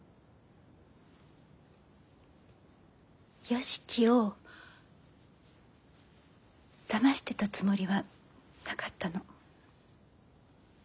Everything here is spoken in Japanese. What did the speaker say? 良樹をだましてたつもりはなかったの。